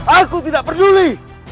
aku tidak peduli